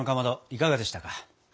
いかがでしたか？